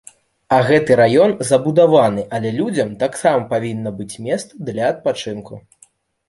А гэты раён забудаваны, але людзям таксама павінна быць месца для адпачынку.